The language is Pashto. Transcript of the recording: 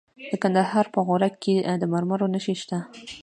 د کندهار په غورک کې د مرمرو نښې شته.